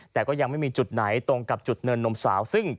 แต่ก็ยังไม่มีจุดไหนตรงกับจุดเนินนมสาวซึ่ง